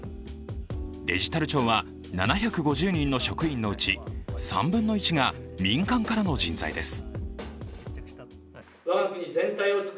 デジタル庁は７５０人の職員のうち３分の１が民間からの人材です。